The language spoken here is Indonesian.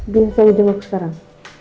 biar saya ujung aku sekarang